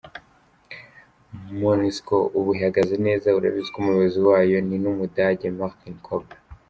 Monusco ubu ihagaze neza urabizi ko umuyobozi wayo ni n’ Umudage Martin Kobler.